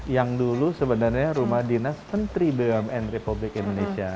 yang dulu sebenarnya rumah dinas menteri bumn republik indonesia